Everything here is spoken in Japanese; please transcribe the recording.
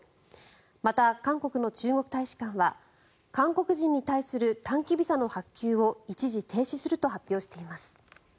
また、韓国の中国大使館は韓国人に対する短期ビザの発給を一時停止すると発表しています。